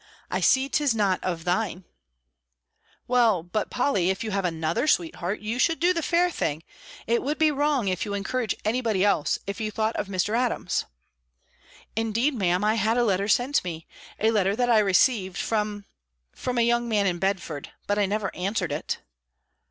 I see 'tis not of thine." "Well, but, Polly, if you have another sweetheart, you should do the fair thing; it would be wrong, if you encourage any body else, if you thought of Mr. Adams." "Indeed, Ma'am, I had a letter sent me a letter that I received from from a young man in Bedford; but I never answered it."